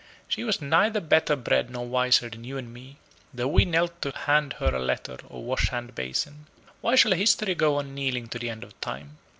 She was neither better bred nor wiser than you and me, though we knelt to hand her a letter or a wash hand basin. Why shall History go on kneeling to the end of time?